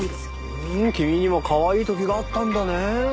君にもかわいい時があったんだねえ。